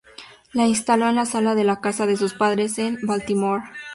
La instaló en la sala de la casa de sus padres en Baltimore